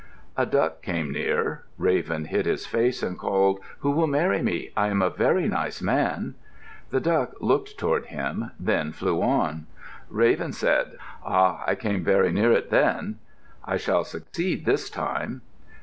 A duck came near. Raven hid his face and called, "Who will marry me? I am a very nice man." The duck looked toward him, then flew on. Raven said, "Ah, I came very near it then. I shall succeed this time."